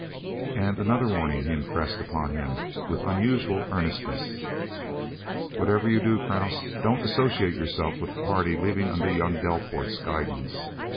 And another warning he impressed upon him with unusual earnestness: "Whatever you do, Krause, don't associate yourself with the party leaving under young Delport's guidance.